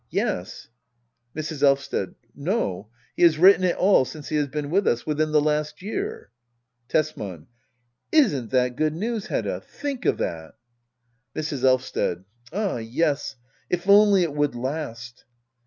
Yes. Mrs. Elvsted. No^ he has written it all since he has been with us — within the last year. Tesman. Isn't that good news/Hedda ? Think of that I Mrs. Elvsted. Ah yes^ if only it would last